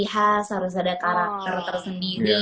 khas harus ada karakter tersendiri